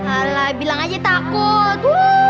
alah bilang aja takut